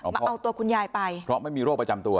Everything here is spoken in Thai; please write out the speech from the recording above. มาเอาตัวคุณยายไปเพราะไม่มีโรคประจำตัว